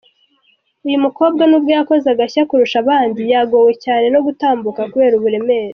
Uyu mukobwa n’ubwo yakoze agashya kurusha abandi yagowe cyane no gutambuka kubera uburemere.